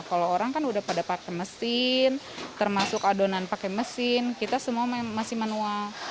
kalau orang kan udah pada pakai mesin termasuk adonan pakai mesin kita semua masih manual